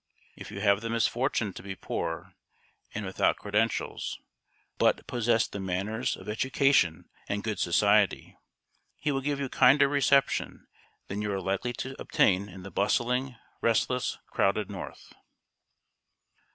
If you have the misfortune to be poor, and without credentials, but possess the manners of education and good society, he will give you kinder reception than you are likely to obtain in the bustling, restless, crowded North.